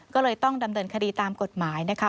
ก็เลยต้องดำเนินคดีตามกฎหมายนะคะ